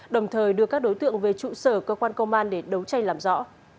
đồng thời đưa các đối tượng về trụ sở cơ quan công an để đấu tranh làm rõ